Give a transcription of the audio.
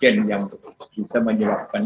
yang bisa menjaga